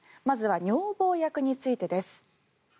まずは女房役についてです。